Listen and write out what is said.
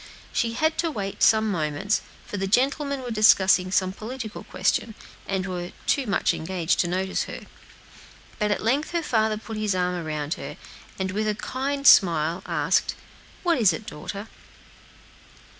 She had to wait some moments, for the gentlemen were discussing some political question, and were too much engaged to notice her. But at length her father put his arm around her, and with a kind smile asked, "What is it, daughter?"